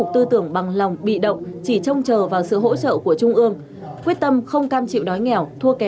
trọng tâm là nghị quyết hai ba của bộ chính trị